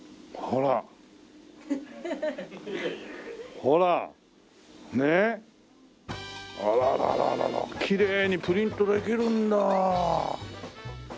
あららららきれいにプリントできるんだ。